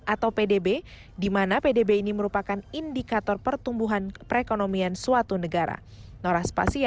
atau pdb di mana pdb ini merupakan indikator pertumbuhan perekonomian suatu negara